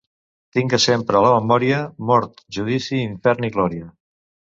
Tingues sempre a la memòria: mort, judici, infern i glòria.